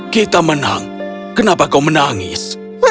kita menang kenapa kau menangis